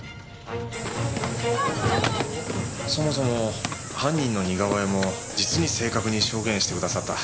そもそも犯人の似顔絵も実に正確に証言してくださった。